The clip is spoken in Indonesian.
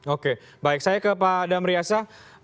oke baik saya ke pak adam riasa